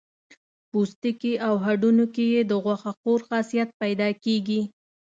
پوستکي او هډونو کې یې د غوښه خور خاصیت پیدا کېږي.